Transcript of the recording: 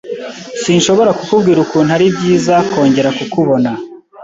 Sinshobora kukubwira ukuntu ari byiza kongera kukubona.